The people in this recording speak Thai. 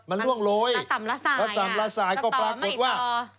มันล่วงโรยพอสำละสายก็ปรากฏว่า